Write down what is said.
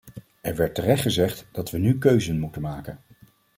Er werd terecht gezegd dat we nu keuzen moeten maken.